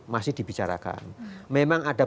masih dibicarakan memang ada